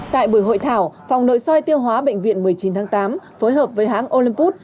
tại buổi hội thảo phòng nội soi tiêu hóa bệnh viện một mươi chín tháng tám phối hợp với hãng olympot